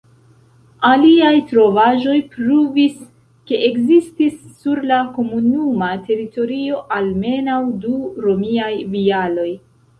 Aliaj trovaĵoj pruvis, ke ekzistis sur la komunuma teritorio almenaŭ du romiaj vilaoj.